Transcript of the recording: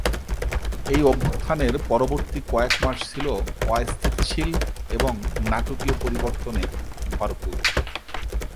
এই অভ্যুত্থানের পরবর্তী কয়েক মাস ছিল অস্থিতিশীল এবং নাটকীয় পরিবর্তনে ভরপুর।